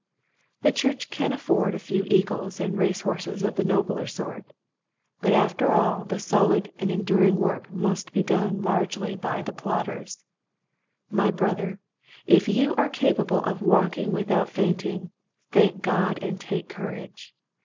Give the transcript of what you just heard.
The church can afford a few eagles and race horses of the nobler sort, but after all the solid and enduring work must be done largely by the plodders. My brother, if you are capable of walking without faint ing, thank God and take courage.